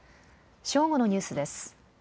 正午のニュースです。